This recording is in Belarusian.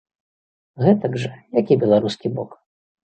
Гэтак жа, як і беларускі бок.